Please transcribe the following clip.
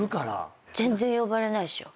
全然呼ばれないっしょ。